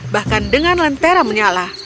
bahkan dengan lentera menyala